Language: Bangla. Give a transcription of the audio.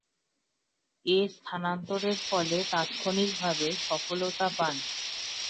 এ স্থানান্তরের ফলে তাৎক্ষণিকভাবে সফলতা পান।